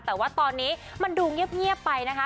แต่ว่าตอนนี้มันดูเงียบไปนะคะ